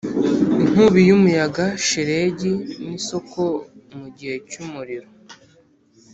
inkubi y'umuyaga, shelegi, n'isoko mugihe cyumuriro,